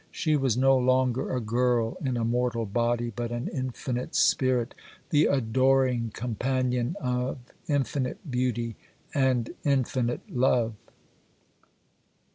She was no longer a girl in a mortal body, but an infinite spirit, the adoring companion of Infinite Beauty and Infinite Love.